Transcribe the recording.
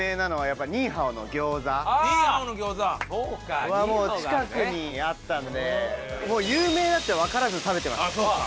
好があ近くにあったのでもう有名だってわからず食べてました。